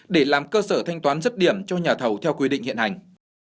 để làm cơ sở thanh toán rứt điểm cho nhà thầu theo quy định hiện hành